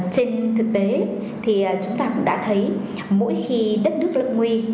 trên thực tế chúng ta cũng đã thấy mỗi khi đất nước lợi nguy